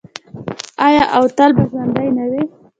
آیا او تل به ژوندی نه وي؟